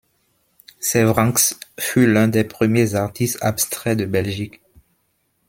Servranckx fut l'un des premiers artistes abstraits de Belgique.